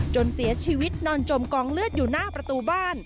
จนเสียชีวิตนอนจมกองเลือดอยู่หน้าประตูบ้าน